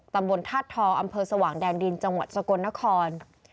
ตำบลธาตุทองอำเภอสว่างแดนดินจังหวัดสกลนคร